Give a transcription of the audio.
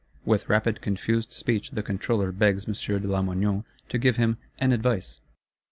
With rapid confused speech the Controller begs M. de Lamoignon to give him "an advice."